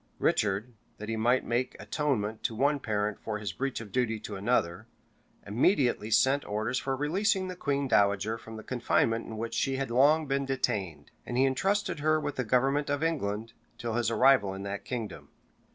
Richard, that he might make atonement to one parent for his breach of duty to the other, immediately sent orders for releasing the queen dowager from the confinement in which she had long been detained; and he intrusted her with the government of England, till his arrival in that kingdom.